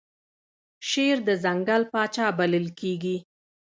شیر د ځنګل پاچا بلل کیږي